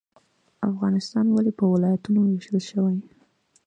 افغانستان ولې په ولایتونو ویشل شوی؟